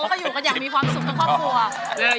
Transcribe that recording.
แล้วเข้าอยู่กันอย่างมีความสุขในครอบครัว